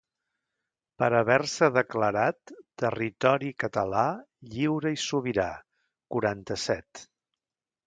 Per haver-se declarat ‘territori català lliure i sobirà’, quaranta-set.